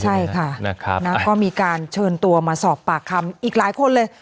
ใช่ค่ะนะครับก็มีการเชิญตัวมาสอบปากคำอีกหลายคนเลย